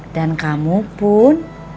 dan kamu pun